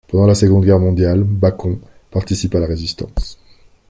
Pendant la Seconde Guerre mondiale, Bacon participe à la Résistance.